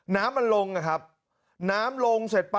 น้ำมันลงอะครับน้ำลงเสร็จปั๊